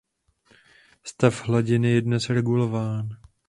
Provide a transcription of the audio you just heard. Stav hladiny je dnes regulován.